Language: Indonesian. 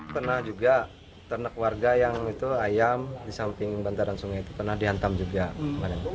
pernah juga ternak warga yang itu ayam di samping bantaran sungai itu pernah dihantam juga kemarin